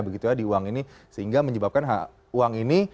begitulah di uang ini sehingga menyebabkan uang ini